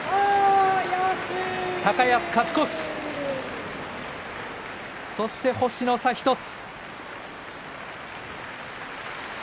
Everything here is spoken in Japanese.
高安、勝ち越しそして星の差１つ。